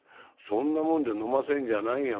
そんなもんで飲ませんじゃないよ